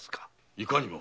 いかにも。